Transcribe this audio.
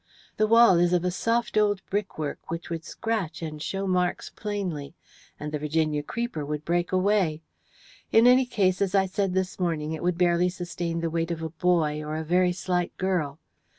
The wall is of a soft old brickwork which would scratch and show marks plainly, and the Virginia creeper would break away. In any case, as I said this morning, it would barely sustain the weight of a boy, or a very slight girl.